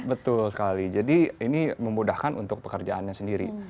betul sekali jadi ini memudahkan untuk pekerjaannya sendiri